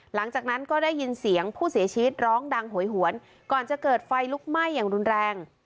หลังจากนั้นก็ได้ยินเสียงผู้เสียชีวิตร้องดังโหยหวนก่อนจะเกิดไฟลุกไหม้อย่างรุนแรง